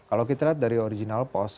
kalau kita lihat dari original post